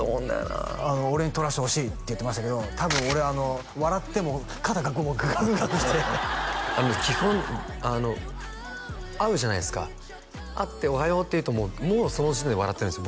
「俺に撮らせてほしい」って言ってましたけど「多分俺笑ってもう肩がこうガクガクして」基本会うじゃないですか会って「おはよう」って言うともうその時点で笑ってるんです